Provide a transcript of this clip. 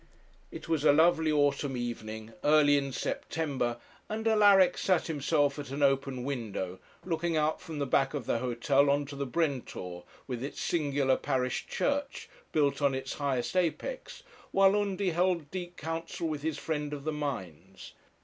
It was a lovely autumn evening, early in September, and Alaric sat himself at an open window, looking out from the back of the hotel on to the Brentor, with its singular parish church, built on its highest apex, while Undy held deep council with his friend of the mines.